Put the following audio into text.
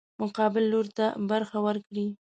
مقابل لوري ته برخه ورکړي.